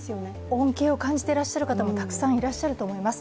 恩恵を感じている方もたくさんいらっしゃると思います。